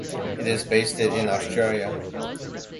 It is based in Australia.